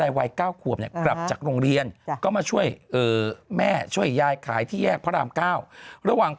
ทำไมพี่ไม่อยากตามกำถามพูดกัน